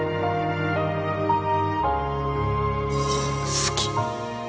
好き